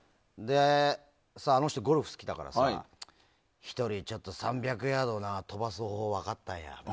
あの人、ゴルフ好きだからひとり、ちょっと３００ヤード飛ばす方法分かったんよ。